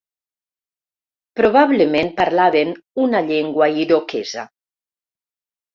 Probablement parlaven una llengua iroquesa.